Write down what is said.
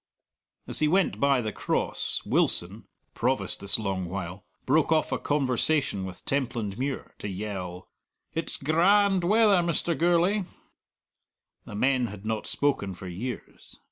As he went by the Cross, Wilson (Provost this long while) broke off a conversation with Templandmuir, to yell, "It's gra and weather, Mr. Gourlay!" The men had not spoken for years.